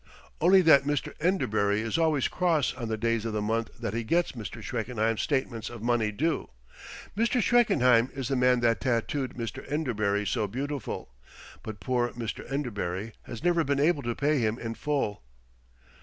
"Only that Mr. Enderbury is always cross on the days of the month that he gets Mr. Schreckenheim's statements of money due. Mr. Schreckenheim is the man that tattooed Mr. Enderbury so beautiful, but poor Mr. Enderbury has never been able to pay him in full."